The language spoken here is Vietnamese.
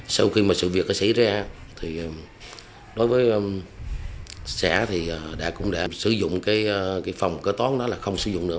sau khi mà sự việc xảy ra thì đối với xã thì đã cũng đã sử dụng cái phòng kế tón đó là không sử dụng được